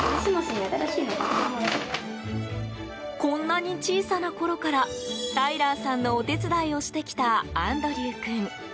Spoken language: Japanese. こんなに小さなころからタイラーさんのお手伝いをしてきたアンドリュウ君。